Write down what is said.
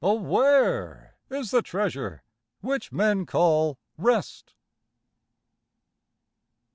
O where is the treasure which men call rest?